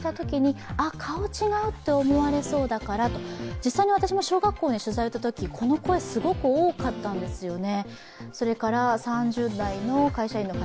実際に私も小学校に取材に行ったとき、この声、すごく多かったんですよね。